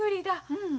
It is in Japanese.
うん。